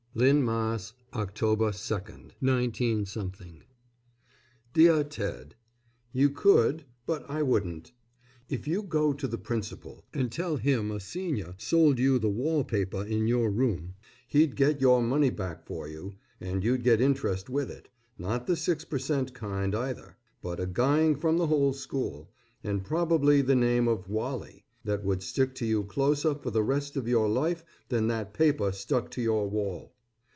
LYNN, MASS., _October, 2, 19 _ DEAR TED: You could; but I wouldn't. If you go to the principal and tell him a senior sold you the wall paper in your room, he'd get your money back for you; and you'd get interest with it, not the six per cent kind either; but a guying from the whole school, and probably the nickname of "Wally", that would stick to you closer for the rest of your life than that paper stuck to your wall.